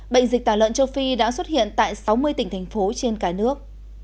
bệnh dịch tả lợn châu phi đã xuất hiện tại sáu mươi tỉnh thành phố trên cả nước